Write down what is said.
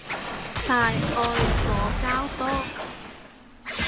大愛左膠多